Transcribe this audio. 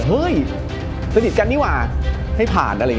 เฮ้ยสนิทกันนี่หว่าให้ผ่านอะไรอย่างนี้